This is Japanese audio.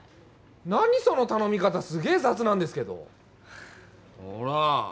何その頼み方すげえ雑なんですけどほら！